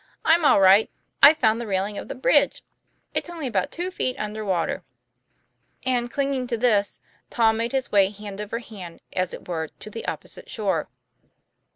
I'm all right. I've found the railing of the bridge. It's only about two feet under water." And clinging to this, Tom made his way hand over hand, as it were, to the opposite shore.